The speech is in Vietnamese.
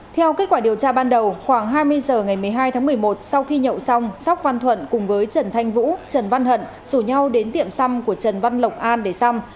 theo kết quả điều tra ban đầu khoảng hai mươi h ngày một mươi hai tháng một mươi một sau khi nhậu xong sóc văn thuận cùng với trần thanh vũ trần văn hận rủ nhau đến tiệm xăm của trần văn lộc an để xăm